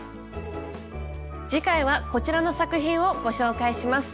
次回はこちらの作品をご紹介します。